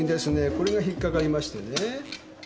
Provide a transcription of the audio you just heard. これが引っ掛かりましてね。